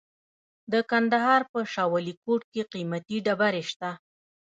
د کندهار په شاه ولیکوټ کې قیمتي ډبرې شته.